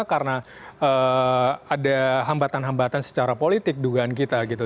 karena ada hambatan hambatan secara politik dugaan kita gitu